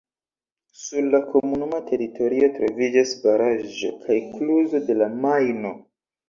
Sur la komunuma teritorio troviĝas baraĵo kaj kluzo de la Majno.